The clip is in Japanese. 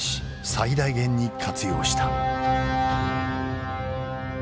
最大限に活用した。